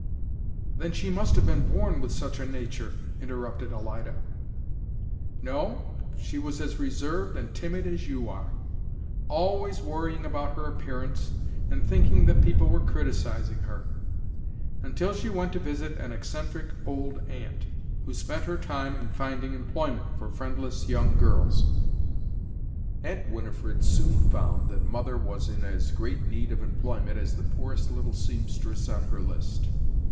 "Then she must have been born with such a nature," interrupted Alida. "No, she was as reserved and timid as you are always worrying about her appearance and thinking that people were criticising her, until she went to visit an eccentric old aunt, who spent her time in finding employment for friendless young girls. "Aunt Winifred soon found that mother was in as great need of employment as the poorest little seamstress on her list.